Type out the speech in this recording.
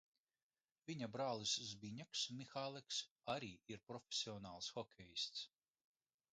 Viņa brālis Zbiņeks Mihāleks arī ir profesionāls hokejists.